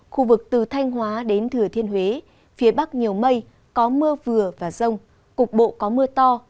khu vực từ thanh hóa đến thừa thiên huế phía bắc nhiều mây có mưa vừa và rông cục bộ có mưa to